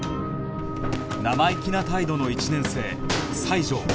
生意気な態度の１年生西条